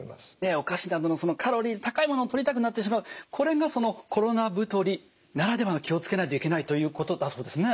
お菓子などのカロリーの高いものをとりたくなってしまうこれがそのコロナ太りならではの気を付けないといけないということだそうですね。